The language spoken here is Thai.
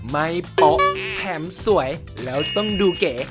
โป๊ะแถมสวยแล้วต้องดูเก๋